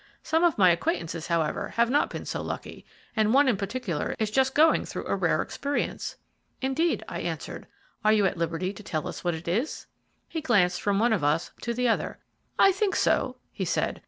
Some of my acquaintances, however, have not been so lucky, and one in particular is just going through a rare experience." "Indeed," I answered; "are you at liberty to tell us what it is?" He glanced from one of us to the other. "I think so," he said.